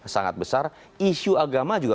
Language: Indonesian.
sangat besar isu agama juga